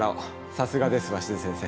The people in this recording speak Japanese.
さすがです鷲津先生。